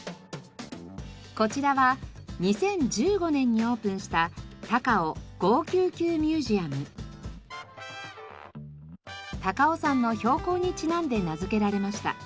こちらは２０１５年にオープンした高尾山の標高にちなんで名付けられました。